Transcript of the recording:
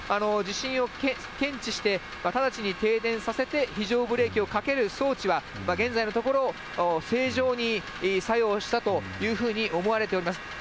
地震を検知して、直ちに停電させて、非常ブレーキをかける装置は、現在のところ、正常に作用したというふうに思われています。